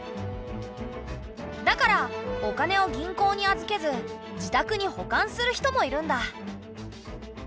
だからお金を銀行に預けず自宅に保管する人もいるんだ。